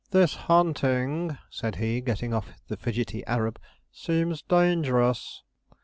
'This hunting,' said he, getting off the fidgety Arab, 'seems dangerous.'